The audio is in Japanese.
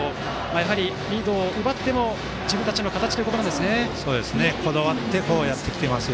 やはりリードを奪っても自分たちの形ということですね。